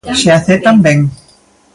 Se a aceptan, ben.